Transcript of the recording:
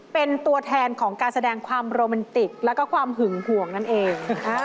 เป็นตัวแทนของการแสดงความโรแมนติกแล้วก็ความหึงห่วงนั่นเอง